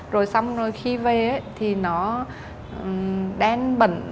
rồi xong rồi khi về thì nó đen bẩn